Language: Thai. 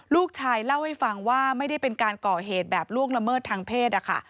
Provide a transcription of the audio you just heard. ลูกชายเล่าให้ฟังว่าไม่ได้เป็นการก่อเหตุแบบล่วงละเมิดทางเพศนะคะ